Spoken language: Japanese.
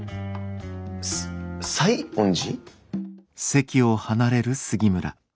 さ西園寺？